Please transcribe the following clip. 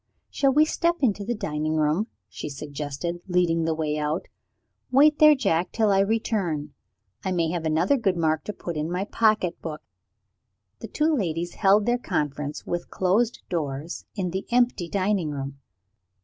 "Shall we step into the dining room?" she suggested, leading the way out. "Wait there, Jack, till I return; I may have another good mark to put in my pocket book." The two ladies held their conference, with closed doors, in the empty dining room.